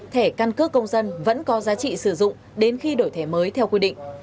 thẻ căn cước công dân vẫn có giá trị sử dụng đến khi đổi thẻ mới theo quy định